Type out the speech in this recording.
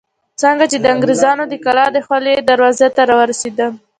څنګه چې د انګرېزانو د کلا دخولي دروازې ته راورسېدو.